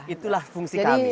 itulah fungsi kami